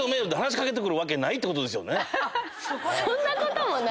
そんなこともない。